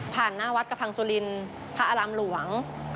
ผ่านหน้าวัดกระพังสุลินพระอารำหลวง